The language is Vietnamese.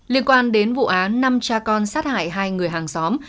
liên quan đến vụ án năm cha con sát hại hai người hàng xóm